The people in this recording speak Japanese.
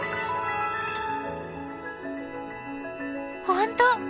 本当！